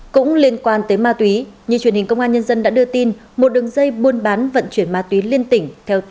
cũng liên quan tới ma túy như truyền hình công an nhân dân đã đưa tin một đường dây buôn bán vận chuyển ma túy liên tỉnh